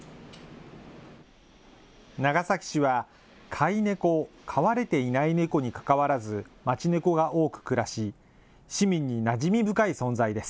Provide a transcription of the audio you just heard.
長崎市は、飼い猫、飼われていない猫にかかわらず、町ねこが多く暮らし、市民になじみ深い存在です。